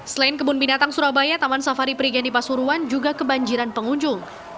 selain kebun binatang surabaya taman safari perigen di pasuruan juga kebanjiran pengunjung